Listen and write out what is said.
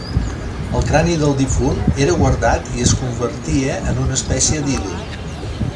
El crani del difunt era guardat i es convertia en una espècie d'ídol.